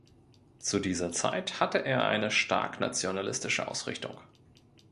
Zu dieser Zeit hatte er eine stark nationalistische Ausrichtung.